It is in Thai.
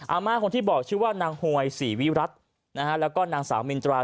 อาม่าความที่บอกชื่อว่านางโหยศีวิรัตน์และก็นางสาวมินส์ตรา